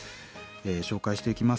紹介していきます。